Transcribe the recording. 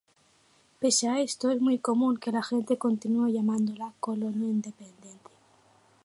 Pese a esto, es muy común que la gente continúe llamándola "Colonia Independencia".